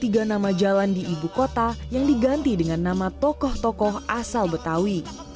total ada dua puluh tiga nama jalan di ibu kota yang diganti dengan nama tokoh tokoh asal betawi